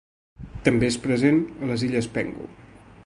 També és present a les Illes Penghu.